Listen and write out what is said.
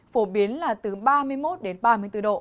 phổ biến là từ ba mươi một đến ba mươi bốn độ